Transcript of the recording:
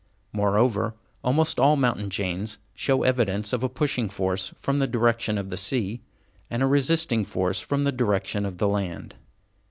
Moreover, almost all mountain chains show evidence of a pushing force from the direction of the sea, and a resisting force from the direction of the land.